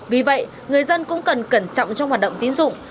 vì vậy người dân cũng cần cẩn trọng trong hoạt động tín dụng